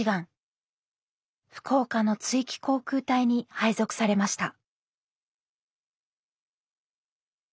福岡の築城航空隊に配属されました。